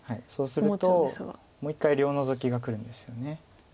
そうするともう一回両ノゾキがくるんですよね。